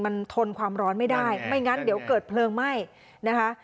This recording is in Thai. มันทนความร้อนไม่ได้ไม่งั้นเดี๋ยวเกิดเพลิงไหม้นะคะ